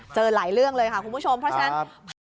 เจอหลายเรื่องเลยค่ะคุณผู้ชมเพราะฉะนั้น